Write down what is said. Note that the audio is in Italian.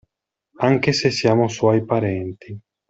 Anche se siamo suoi parenti.